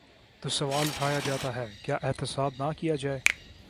تو سوال اٹھایا جاتا ہے: کیا احتساب نہ کیا جائے؟